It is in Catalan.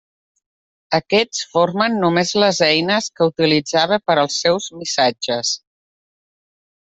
Aquest formen només les eines que utilitzava per als seus missatges.